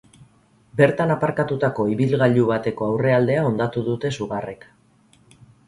Bertan aparkatutako ibilgailu bateko aurrealdea hondatu dute sugarrek.